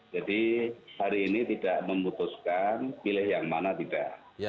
jadi hari ini tidak memutuskan pilih yang mana tidak